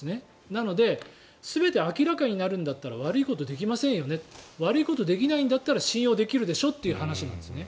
なので、全て明らかになるんだったら悪いことできませんよね悪いことできないんだったら信用できるでしょっていう話なんですね。